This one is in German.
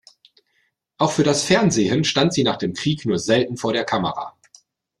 Auch für das Fernsehen stand sie nach dem Krieg nur selten vor der Kamera.